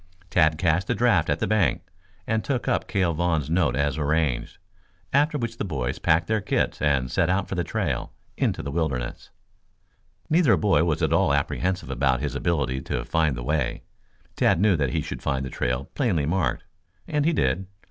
Tad cashed the draft at the bank and took up Cale Vaughn's note as arranged, after which the boys packed their kits and set out for the trail into the wilderness. Neither boy was at all apprehensive about his ability to find the way. Tad knew that he should find the trail plainly marked, and he did.